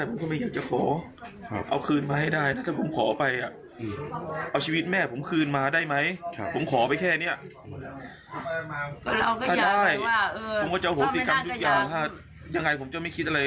โอ้โฮจริงให้ตายตกตามกันไปเลย